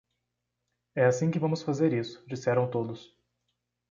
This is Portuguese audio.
É assim que vamos fazer isso ", disseram todos.